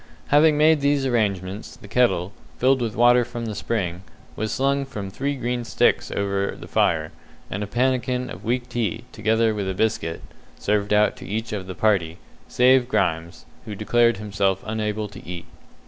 Having made these arrangements, the kettle, filled with water from the spring, was slung from three green sticks over the fire, and a pannikin of weak tea, together with a biscuit, served out to each of the party, save Grimes, who declared himself unable to eat.